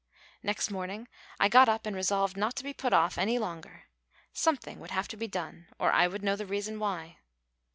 Next morning I got up resolved not to be put off any longer. Something would have to be done, or I would know the reason why.